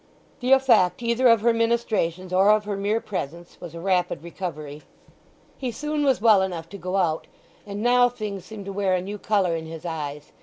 The effect, either of her ministrations or of her mere presence, was a rapid recovery. He soon was well enough to go out; and now things seemed to wear a new colour in his eyes.